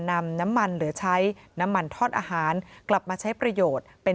นำน้ำมันหรือใช้น้ำมันทอดอาหารกลับมาใช้ประโยชน์เป็น